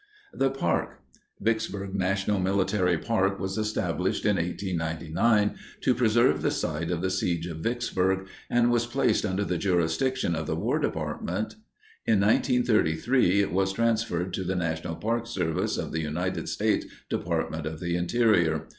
The Park Vicksburg National Military Park was established in 1899 to preserve the site of the siege of Vicksburg and was placed under the jurisdiction of the War Department. In 1933, it was transferred to the National Park Service of the United States Department of the Interior.